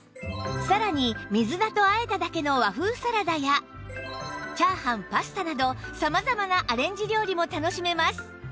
さらに水菜と和えただけの和風サラダやチャーハンパスタなど様々なアレンジ料理も楽しめます